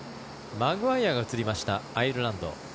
マグワイヤが映りましたアイルランド。